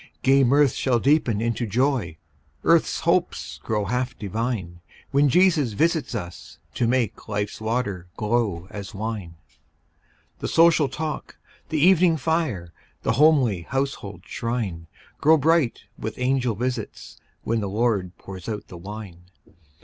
Gay mirth shall deepen into joy, Earth's hopes grow half divine, When Jesus visits us, to make Life's water glow as wine. The social talk, the evening fire, The homely household shrine, Grow bright with angel visits, when The Lord pours out the wine.